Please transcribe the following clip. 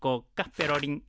ペロリン。